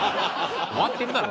終わってるだろ。